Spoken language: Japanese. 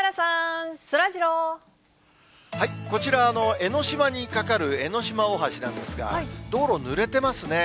江の島に架かる江の島大橋なんですが、道路ぬれてますね。